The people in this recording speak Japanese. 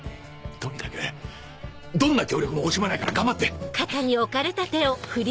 とにかくどんな協力も惜しまないから頑張って。